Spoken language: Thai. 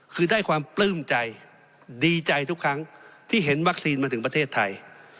คือได้ความปลื้มใจดีใจทุกครั้งที่เห็นวัคซีนมาถึงประเทศไทย